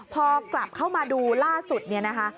พอกลับเข้ามาดูล่าสุดเนี่ยนะคะ